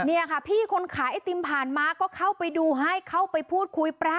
เนี่ยค่ะพี่คนขายไอติมผ่านมาก็เข้าไปดูให้เข้าไปพูดคุยพระ